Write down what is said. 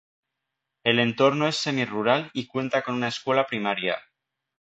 El entorno es semi rural y cuenta con una escuela primaria.